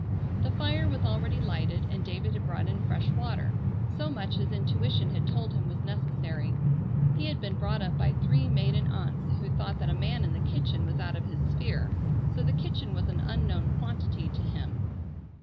The fire was already lighted and David had brought in fresh water. So much his intuition had told him was necessary. He had been brought up by three maiden aunts who thought that a man in the kitchen was out of his sphere, so the kitchen was an unknown quantity to him.